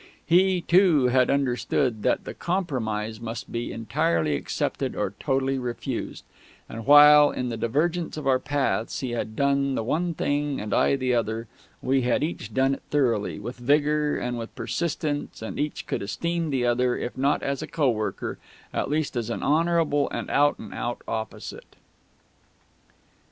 He, too, had understood that the Compromise must be entirely accepted or totally refused; and while, in the divergence of our paths, he had done the one thing and I the other, we had each done it thoroughly, with vigour, and with persistence, and each could esteem the other, if not as a co worker, at least as an honourable and out and out opposite.